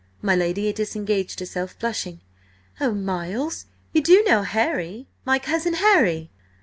My lady disengaged herself, blushing. "Oh, Miles, you do know Harry–my cousin Harry?"